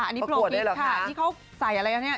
อันนี้โพลกิ๊กค่ะนี่เขาใส่อะไรอ่ะนี่